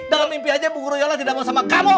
dalam mimpi aja bu yola tidak mau sama kamu